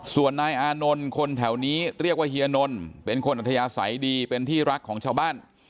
ส่วนนายอานนท์คนแถวนี้เรียกว่าเฮียนนท์เป็นคนอัธยาศัยดีเป็นที่รักของชาวบ้าน